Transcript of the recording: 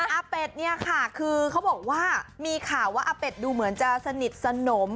อาเป็ดเนี่ยค่ะคือเขาบอกว่ามีข่าวว่าอาเป็ดดูเหมือนจะสนิทสนม